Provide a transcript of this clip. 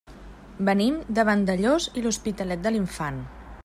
Venim de Vandellòs i l'Hospitalet de l'Infant.